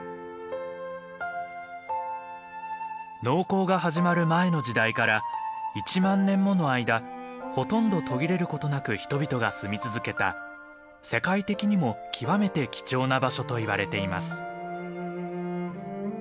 農耕が始まる前の時代から１万年もの間ほとんど途切れることなく人々が住み続けた世界的にも極めて貴重な場所といわれています。